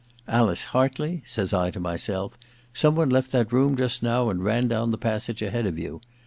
* Alice Hartley,' says I to myself, * some one left that room just now and ran down the passage ahead of you.